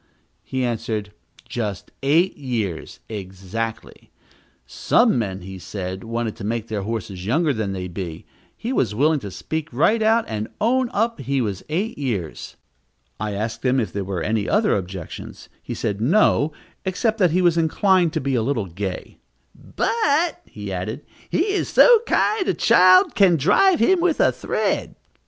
He answered, just eight years, exactly some men, he said, wanted to make their horses younger than they be; he was willing to speak right out, and own up he was eight years. I asked him if there were any other objections. He said no, except that he was inclined to be a little gay; "but," he added, "he is so kind, a child can drive him with a thread."